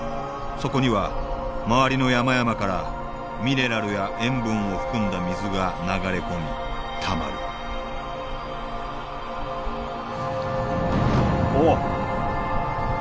そこには周りの山々からミネラルや塩分を含んだ水が流れ込みたまるお。